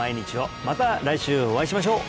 また来週お会いしましょう